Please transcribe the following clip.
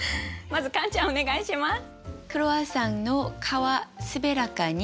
まずカンちゃんお願いします。